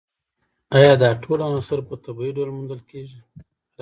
ایا دا ټول عناصر په طبیعي ډول موندل کیږي